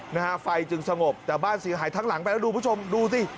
นะฮะไฟจึงสงบแต่บ้านเสียหายทั้งหลังไปแล้วดูคุณผู้ชมดูสิ